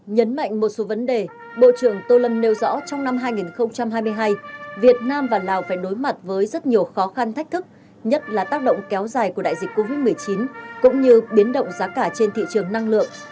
nhấn mạnh một số vấn đề bộ trưởng tô lâm nêu rõ trong năm hai nghìn hai mươi hai việt nam và lào phải đối mặt với rất nhiều khó khăn thách thức nhất là tác động kéo dài của đại dịch covid một mươi chín cũng như biến động giá cả trên thị trường năng lượng